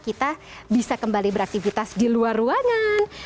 kita bisa kembali beraktivitas di luar ruangan